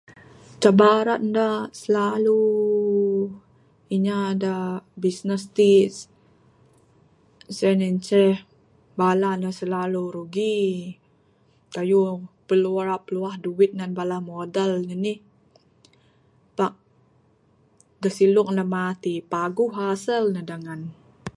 Cabaran inya da slalu bisnes ti sien inceh bala ne slalu rugi kayuh perlu ra pluah duit nan bala modal ne nih. Pak da silung matik paguh hasil ne dangan.